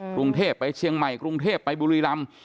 กรุงเทพไปเชียงใหม่กรุงเทพไปบุรีรำ